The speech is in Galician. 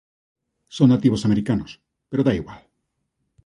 Son nativos americanos, pero dá igual.